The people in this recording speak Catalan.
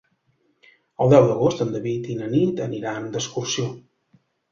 El deu d'agost en David i na Nit aniran d'excursió.